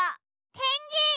ペンギン！